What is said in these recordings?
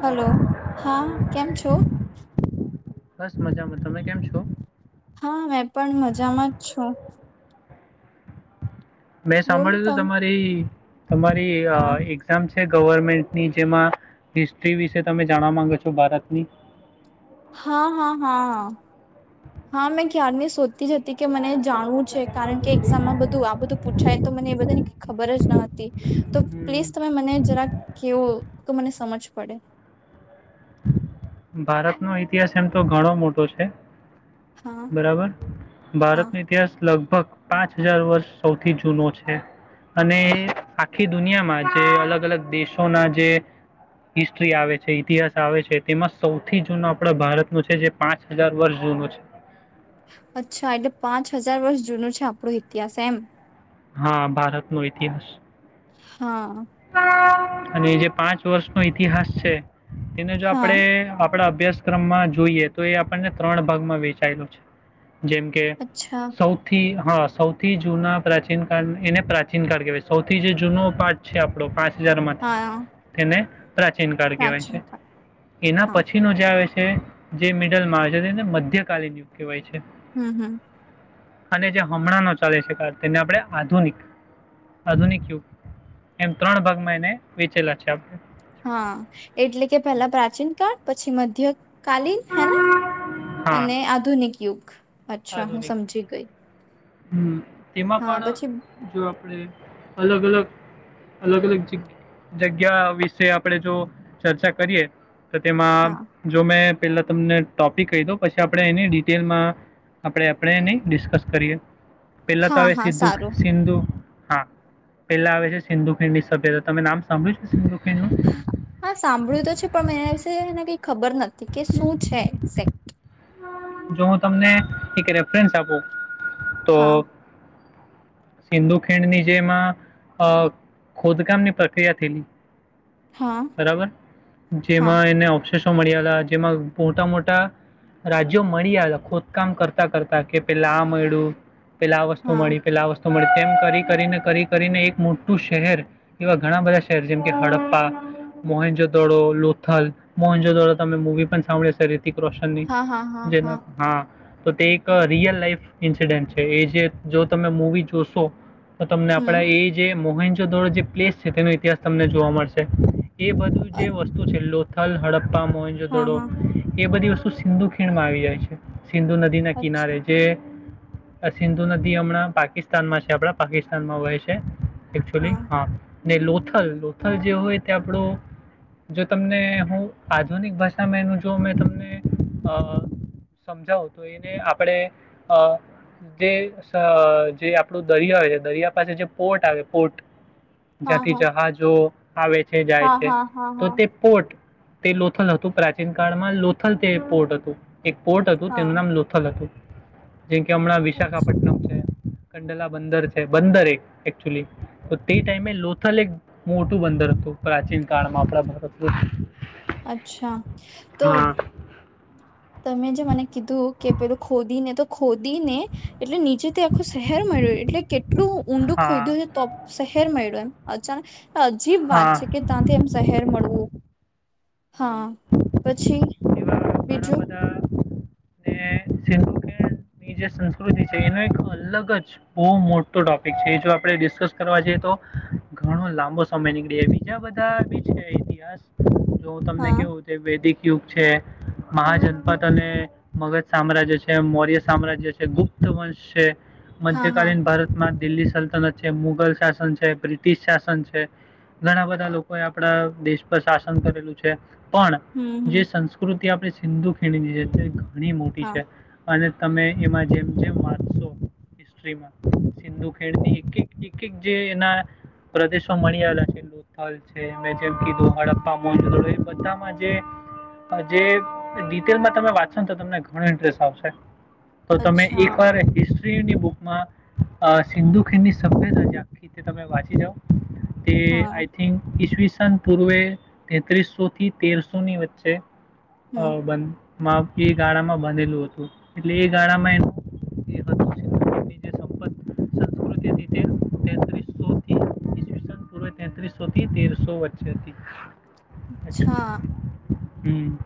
Hello, હા, કેમ છો? [unintelligible] બસ, મજામાં. તમે કેમ છો? હા, મેં પણ મજામાં જ છું. મેં બોલ સાંભળ્યું હતું તમ તમારી. તમારી હા એક્ઝામ? ગવર્મેન્ટની જેમાં હિસ્ટ્રી વિશે તમે જાણવા માંગો છો ભારતની? હા, હા, હા, હા. મેં ક્યારની શોધતી જ હતી કે મને જાણવું છે, કારણ કે એક્ઝામમાં બધું આ બધું પૂછાય, તો મને એ બધાને ખબર જ ન હતી, તો હમ, પ્લીઝ તમે મને જરા કેવો, તો મને સમજ પડે. ભારતનો ઇતિહાસ એમ તો ઘણો મોટો છે. હા બરાબર હા ભારત ન ઇતિહાસ લ લગભગ પાંચ હજાર વર્ષ સૌથી જૂનો છે અને આખી દુનિયામાં જે અલગ અલગ દેશોના જે હિસ્ટ્રી આવે છે ઇતિહાસ આવે છે તેમાં સૌથી જૂનું આપડા ભારત ન છે જે પાંચ હજાર વર્ષ જૂનું છે અચ્છા એટલે પાંચ હજાર વર્ષ જૂનું છે આપણો ઇતિહાસ એમ હા ભારત નો ઇતિહાસ હા અને જે પાંચ વર્ષ નો ઈતિહાસ છે એને જો હા આપડે આપડા અભ્યાસક્રમમાં જોઈએ તો એ આપણને ત્રણ ભાગમાં વેચાયેલું છે જેમ કે અચ્છા સૌથી હા સૌથી જૂના પ્રાચીન કાળ એને પ્રાચીન કાળ કહેવાય સૌથી જે જૂનો પાઠ છે આપણો પાંચ હજાર માંથી હા તેને પ્રાચીન કાળ કહેવાય પ્રાચીન છે કાળ એના હા પછીનું જે આવે છે. જે મિડલમાં છે તેને મધ્યકાલીન યુગ કહેવાય છે. હમ હમ અને જે હમણાંનો ચાલે છે કાળ તેને આપણે આધુનિક આધુનિક યુગ એમ ત્રણ ભાગમાં એને વેચેલા છે આપણે હા એટલે કે પેલા પ્રાચીન કાળ પછી મધ્ય કાલીન હેને હા અને આધુનિક યુગ અચ્છા હું આધુનિક સમજી ગઈ હમ તેમાં હા પછી પણ જો આપણે અલગ અલગ અલગ અલગ જગ જગ્યા વિશે આપણે જો ચર્ચા કરીએ. તો તેમાં હા જો મેં પેલા તમને ટોપિક કહી દો પછી આપણે એની ડિટેલમાં આપણે આપણે એની ડિસ્કસ કરીએ પહેલા ત હા આવે હા સિદ્ધુ સારું સિંધુ હા પેલા આવે છે સિંધુ ખીણની સભ્યતા તમે નામ સાભળ્યું છે સિંધુ ખિણ હા સાંભળ્યું તો છે પણ એના વિશે એને કઈ ખબર નથી એ કે શું છે એક્ઝેક્ટ જો હું તમને એક રેફરન્સ આપું તો હા સિંધુ ખીંણની જેમાં અ ખોદકામની પ્રક્રિયા થયેલી હા બરાબર હા જેમાં એને ઓપ સો મળીયા હતા જેમાં મોટા મોટા રાજ્યો મળી આવેલા ખોદકામ કરતા કરતા કે પેલા આ મળ્યું- પેલા આ વસ્તુ હા મળી પેલા આ વસ્તુ તો મળે એમ કરી કરીને કરી કરીને એક મોટું શહેર એવા ઘણા બધા શહેર જેમ કે હડપ્પા મોહેનજોદોડો લોથલ મોહનજોદોડો તમે મુવી પણ સાંભળી શે રિતિક રોશનની હા હા હા જેના હા તો તે એક રિયલ લાઈફ ઇન્સિડેન્ટ છે એ જે જો તમે મૂવી જોશો તો તમને આપણા હમ એ જે મોહન જોડદો જે પ્લેસ છે તેનો ઇતિહાસ તમને જોવા મળશે. એ બધું જે વસ્તુ છેલ્લો કલ હડપ પા હા જોોડો હા એ બધી ું સિંધુ ખીણમાં આવી જાય છે સિંધુ નદી ના અચ્છા કિનારે જે સિંધુ નદી હમણાં પાકિસ્તા સ્માં છે આપડા પાકિસ્તાનમાં હોય છે એકચુઅલી હા ને લોથલ લોથલ જે હોય તે આપણું જો તમને હું આધુનિક ભાષામાં એનું જો મે તમને સમજાવ તો એને આપણે જે આપણું દરિયા હોય છે દરિયા પાસે જે પોર્ટ આવે પોર્ટ હા જાથી હા જહાજો આવે છે જાય હા છે હા હા તો હા તે પોટ તે લોથલ હતું પ્રાચીન કાળમાં લોથલ તે પોર્ટ હતું એક પોર્ટ હતું તેનું નામ લોથલ હતું જેમ કે હમણાં હા વિશાખાપટનમ છે હ કંડલા બંદર છે બંદર એક એકચુલી તો તે ટાઈમે લોથલ એક મોટું બંદર હતું પ્રાચીન કાળમાં આપણા ભારતનું અચ્છા તો હા તમે જે મને કીધું કે પેલું ખોદીને તો ખોદી ને એટલે નીચે તે આખું શહેર મળ્યું એટલે કેટલું ઊંડું હા ખોદ્યું છે તો શહેર મળ્યું એમ અચ્છા અજીબ વાત હા છે કે ત્યાંથી એમ શહેર મળવું હમ. હા પછી, એવા બીજું ઘણા બધા ને સિંધુ કેની જે સંસ્કૃતિ છે એનો એક અલગ જ બહુ મોટો ટોપિક છે જો આપણે ડિસ્કસ કરવા જએ તો ઘણો લાંબો સમય નીકળી બીજા બધા બ છે ઇતિહાસ જો તમને હા કેવું છે વૈદિક યુગ છે. મહાજનપદ અને મગધ સામ્રાજ્ય છે, મૌર્ય સામ્રાજ્ય છે, ગુપ્ત વંશ છે. હા હા મધ્યકાલીન ભારતમાં દિલ્હી સલ્તનત છે, મુગલ શાસન છે, બ્રિટિશ શાસન છે, ઘણા બધા લોકોએ આપણા દેશ પર શાસન કરેલું છે. પણ હમ જે હમ સંસ્કૃતિ આપણે સિંધુ ખીણી છે તે ઘણી મોટી હા છે અને તમે એમાં જેમ જેમ વાંચશો હિસ્ટ્રીમાં સિંધુખેડની એક એક એક જે એના પ્રદેશો મળી આવેલા છે. લોથલ છે, જેમ કીધું હડપ્પા એ બધામાં જે ડીટેલમાં તમે વાચ ચસો ને તો તમને ઘણું ઇન્ટરેસ્ટ આવશે. તો તમે અચ્છા એકવાર હીસ ની બુકમાં સિંધુખીણની સભ્યતાજી આખી તે તમે વાંચી જાઓ. તે હા આઈ થિંક ઈસવીસ સન પૂર્વે તેત્રીસોથી તેરસોની વચ્ચે અ હમ બંધ માં એ ગાળામાં બનેલું હતું. એટલે એ ગાળામાં [inaudible] જે સંકૃતિ હતી તે તેત્રીસોથી પૂ તેત્રીસોથી તેરસો વચ્ચે હતી. અચ્છા. હમ્મ.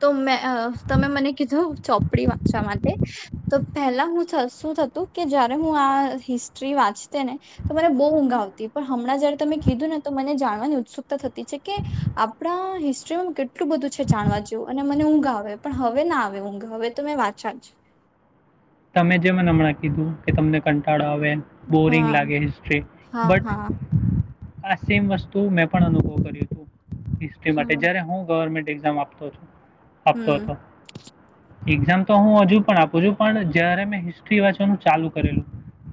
તો મે અ તમે મને કીધું ચોપડી વાંચવા માટે તો પહેલા હું થત શું થતું કે જયારે હું આ હિસ્ટ્રી વાંચતી ને તો મને બહુ ઊંઘ આવતી પણ હમણાં જયારે તમે કીધું ને તો મને જાણવાની ઉત્સુકતા થતી છે કે આપણા હિસ્ટ્રીમાં કેટ કેટલું બધું છે જાણવા જેવું. અને મને ઊંઘ આવે પણ હવે ના આવે ઊંઘ હવે તો મેં વાંચા જ તમે જે મને હમણાં કીધું કે તમને કંટાળો આવે આવે બોરિંગ હા લાગે હિસ્ટ્રી હા હા બટ આ સેમ વસ્તુ મેં પણ અનુભવ કર્યું તું. હિસ્ટ્રી માટે હા જયારે હું ગવર્મેન્ટ એક્ઝામ આપતો હતો. આપતો હમ્મ. એક્ઝામ તો હું હજુ પણ આપું છું પણ જયારે મેં હિસ્ટ્રી વાંચવાનું ચાલુ કરેલું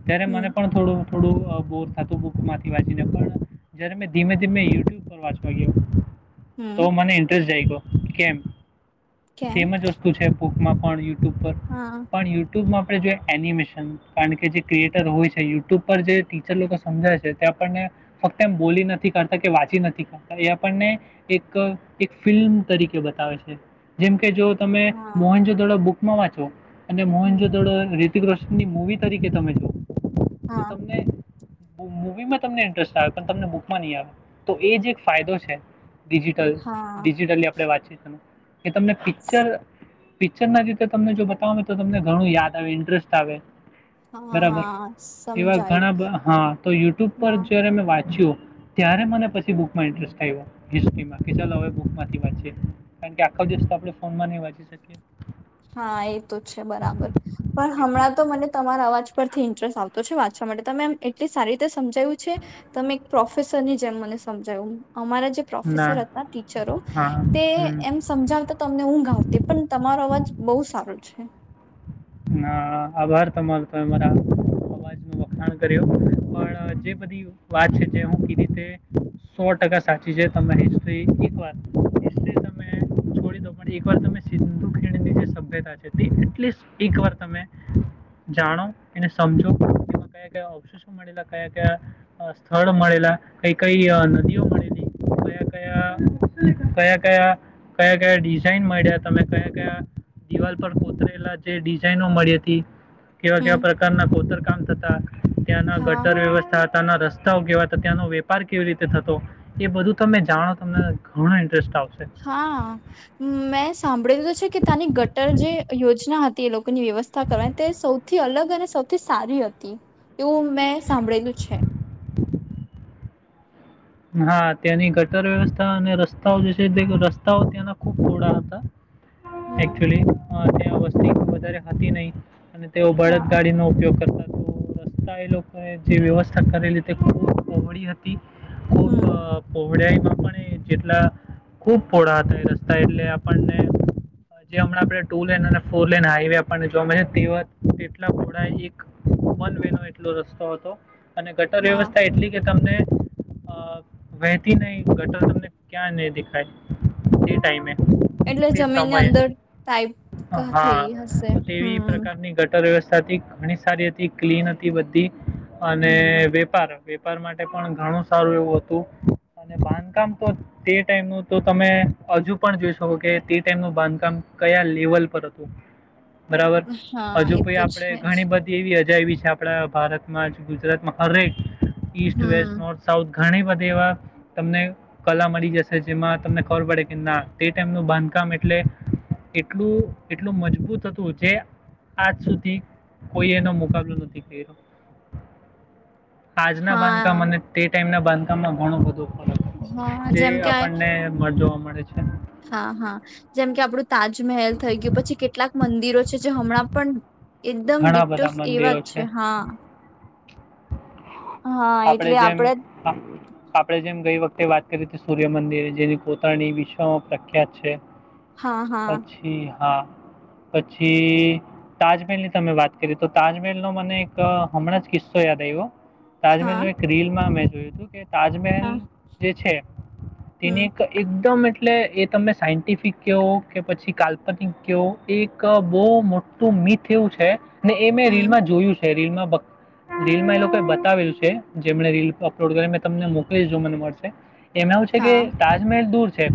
ત્યારે મને હમ પણ થોડું થોડું અ બોર થાતું બુકમાંથી વાંચીને પણ જ્યારે મેં ધીમે ધીમે યુટ્યુબ પર વાંચવા ગયો. તો હમ મને ઇન્ટરસ્ટ જાયગો. કેમ? કેમ સેમ જ વસ્તુ છે. માં પણ યટુબ પર હા પણ યુટ્યુબમાં આપ જો એનિમેશન કારણ કે જે ક્રિએટર હોય છે યુટ્યુબ પર જે ટીચર લોકો સમજાય છે તે આપણને ફક્ત એમ બોલી નથી કરતા કે વાંચી નથી કરતા એ આપણને એક ફિલ્મ તરીકે બતાવે છે. જેમ કે કે જો તમે હા મોહન જો દડો બુક વાંચો અને મોહન હમ જો થોડો રી કૃષ્ણની મુવી તરીકે તમે જો. તો હા તમને મૂવીમાં તમને ઇન્ટરેસ્ટ આવે પણ તમને બુકમાં નહી આવે તો એ જ એક ફાયદો છે. ડિજિટલ હા ડિજિટલ આપણે વાતચીતનું. કે તમને પિક્ચર પિક્ચર ના રીતે તમને જો બતાવ તો તમને ઘણું યાદ આવે ઇન્ટરેસ્ટ આવે. હા બરાબર હા એવા સમજાયું ઘણા હા તો યુટ્યુબ પર હા જયારે મે વાંચ્યું ત્યારે મને પછી બુક માં ઇન્ટ્રેસ્ટ આઇવો કે ચાલ હવે બુકમાંથી વાંચીએ કારણકે આખો દિવસ તો આપણે ફોનમાં ની વાંચી શકીએ. હા એ તો છે બરાબર પણ એટલે હમણાં તો મને તમારા અવાજ પરથી [unintelligible] આવતો છે વાંચવા માટે તમેમ એટલી સારી રીતે સમજાયું છે તમે એક પ્રોફેસર ની જેમ મને સમજાયું. અમારા જે ના પ્રોફેસર હતા ટીચરો હા તે હમ એમ સમજાવતા તમને ઉંગ આવતી પણ તમારો અવાજ બહુ સારું છે. હા આભાર તમારો તો મારા અવાજ નો વખાણ કર્યું. પણ જે બધી વાત છે જે હું કીધી તે સો ટકા સાચી છે તમે હિસ્ટ્રી એકવાર હિસ્ટ્રી તમે છોડી દો પણ એકવાર તમે સિંધુ ખીણીની જે સભ્યતા છે તે એટલીસ્ટ એકવાર તમે જાણો એને સમજો તેમાં કયા કયા અવશેષો મળેલા કયા કયા સ્થળ મળેલા કઈ કઈ નદીઓ મળેલી કયા કયા કયા કયા કયા કયા ડિઝાઇન મળ્યા તમે કયા કયા દિવાલ પર કોતરેલા જે ડિઝાઇનો મળી હતી. કેવા કેવા હમ પ્રકારના ખોતર કામ થતા. તા ત્યાંના હા ગટર વ્યવસ્થા ત્યાના રસ્તાઓ કેવા હતા ત્યાંનો વેપાર કેવી રીતે થતો એ બધું તમે જાણો તમને ઘણુ હા મેં સાંભળી લીધું છે કે તાની ગટર જે યોજના હતી તે લોકોની વ્યવસ્થા કરવાની તે સૌથી અલગ અને સૌથી સારી હતી. એવું મેં સાંભળેલું છે. હા ત્યાંની ગટર વ્યવસ્થા અને રસ્તાઓ જે છે તે રસ્તાઓ ત્યાંના ખુબ પીડા હતા. હમ એક્ચુઅલી ત અસ્થ અયારે હતી નહી અને તેઓ બળદ હા ગાડી નો ઉપયોગ કરતા. તો રસ્તા એ લોકોએ જે વ્યવસ્થા કરેલી તે ખુબ વળી હતી. હમ્મ હોડિયામાં પણ એ જેટલા ખુબ પોળા હતા એ રસ્તા એટલે આપણને જે હમણાં આપણે ટુ લેન અને ફોર લન હાઈવે આપણને જોવા મળ છે તેવા તેટલા પોળા એક વન વે નો એટલો રસ્તો હતો. અને ગટર હા વ્યવસ્થા એટલી કે તમને અ વહેતી નહી ગટર તમને ક્યાં નહી દેખાય તે ટાઈમે. એટલે તે જમીનની સમયે અંદર ટાઈપ થઈ હા, હશે તો તેવી હમ્મ. પ્રકારની [unintelligible] ઘણી સારી હતી ક્લીન હતી બધી. અને હમ વેપાર વેપાર માટે પણ ઘણું સારું એવું હતું અને બાંધકામ તો તે ટાઈમનું તો તમે હજુ પણ જોઈ શકો કે તે ટાઈમનું બાંધકામ કયા લેવલ પર હતું. બરાબર હા હજુ એ કો તો આપડે છે જ ઘણી બધી એવી એવી છે આપણા ભારતમાં ગુજરાતમાં હરેક ઇસ્ટ વેસ્ટ હમ નોર્થ ઘણી બધી એવા તમને કલા મળી જશે જેમાં તમને ખબર પડે કે ના તે ટાઈમનું બાંધકામ એટલે એટલું એટલું મજબૂત હતું જે આજ સુધી કોઈ એનો મુકાબલો નથી કર્યો. હાજના બાંધકા હા મને ટાઈમના બાંધકામમાં ઘણો બધો હા જે જેમ કે આ આપણને [inaudible] મળે છે. હા હા જેમ કે આપડું તાજમહેલ થઈ ગયું પછી કેટલાક મંદિરો છે જે હમણાં પણ એકદમ ઘણા બધા ડિક્ટોસ એવા મંદિરો જ છે હા. હા આપણે એટલે જેમ આપડે આ આપણે જેમ ગઈ વખતે વાત કરી હતી સૂર્યમંદિર જેની પોતાની વિશા પ્રખ્યાત છે. હા હા પછી હા પછી તાજમહેલ તમે વાત કરી તો તાજમહેલનો મને એક હમણાં જ કિસ્સો યાદ આવ્યો તાજમહેલ હા ન એક રીલ માં અમે જો તું કે તાજમહેલ હા જે છે તેની હમ એક એકદમ એટલે એ તમે સાયન્ટિફિક કેહો કે પછી કાલ્પનિક કેવો એ એક બહુ મોટું મીથ એવું છે હે ને એ મેં રીલ હમ માં જોયું છે. રલ રીલમાં એ લોકો બતાવેલું છે જેમને રીલ અપલોડ કરી મે તમને મોકલુ મને મળશે. એમાં એવું છે કે હા તાજમહેલ દૂર છે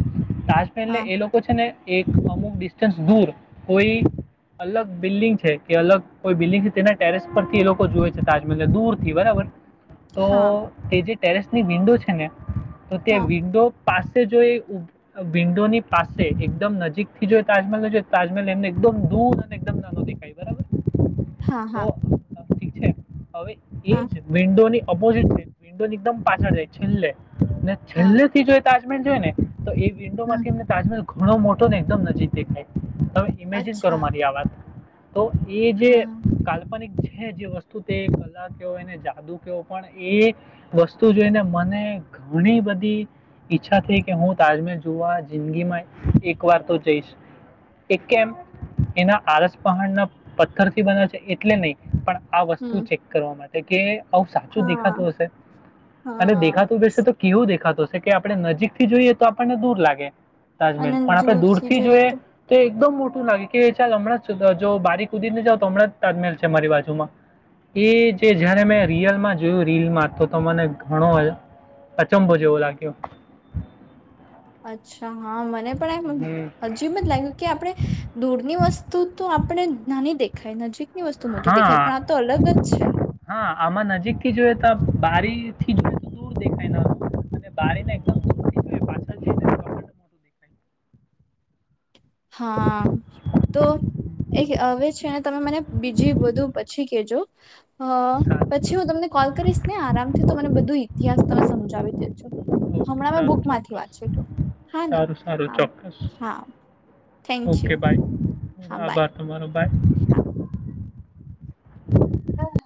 તાજમહેલ ને હા એ લોકો છે ને એક અમુક ડિસ્ટન્સ દૂર કોઈ અલગ બિલ્ડિંગ છે કે અલગ કોઈ બિલ્ડિંગ તેના ટેરેસ પરથી એ લોકો જોુવે છે તાજમહેલ દૂર થી બરાબર તો હા તેજ ટેરેસ ની વિન્ડો છે ને તો હા તે્યાં વિન્ડો પાસે જો વિન્ડો ની પાસે એકદમ નજીક થી જો તાજમહેલ જોઈ તાજમહેલ એમને એકદમ દૂધ અનેદમ નાનો દેખાય બરાબર હા હા તો [inaudible] હવે હા એજ મડોની ઓપોઝિટ છે વિડો એકદમ પાછળ જાય છેલ્લે ને હા છેલ્લે થી જોઈતા જો ને તો એ વિન્ડો હમ માંથીમને તાજમેલ ઘણો મોટો ને એકદમ નજીકેખાય તમે ઇમેજિન કરો અચ્છા મારી આ વાત તો એ જે હા કાલ્પનિક છે જે વસ્તુ તે કલા ક એને જાદુ કયોો પણ એ વસ્તુ જોઈને મને ઘણી બધી ઈચ્છા થઈ કે હું તાજમલ જોવા જિંદગીમાં એક વાર તો જઈશ એક કેમ એના આળસ પહાડના પથ્થર થી બને છે એટલે નહી પણ આ વસ્તુ હમ ચેક કરવા માટે એ આવું સાચું હા દેખાતું હશે અને હા દેખાતું બેસે તો કેવું દેખાતું હશે કે આપડણે નજીક થી જોઈએ તો આપણને દૂર લાગે તાજમહેલ પણ આપણે દૂરથી જોઈએ તો એકદમ મોટું લાગે કે એા હમણાં જો બારીક ઉદીરને જાવ તો હમણાં જ તાજમેલ છે મારી બાજુમાં એ જે જયારે મેં રિયલમાં જોયું રીલમાં તો મને ઘણો અચંભો જેવો લાગ્યો અચ્છા હા મને પણ એમ હજીબ જ લાગ્યું કે આપણે દૂરની વસ્તુ તો આપણે નાની દેખ ખ નજીક એની વસ્તુ મોટી દેખાય પણ હા આ તો અલગ જ છે હા આમાં નજીકથી જોઈએ તો બારી થી જોડે તો દૂર દેખાય ન હતું અને બારીને એકદમ દૂર થી જો પાછળ મોટું દેખાય હા તો એક હવે છેને, તમે મને બીજી બધું પછી કેજો. હા. પછી હું સારું તમને કોલ કરીશ. ને આરામથી તો મને બધું ઇતિહાસ તમે સમજાવી દેજો. સારું ઓકે હમણાં મેં સારું માંથી વાંચ ચોક્કસ [unintelligible] હા ને સારું સારું ચોક્કસ હા. Thank okay you bye. હા બાય આભાર તમારો. બાય હા. [inaudible]